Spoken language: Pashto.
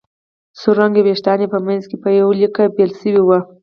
سره رنګي وېښتان یې په منځ کې په يوه ليکه بېل شوي وو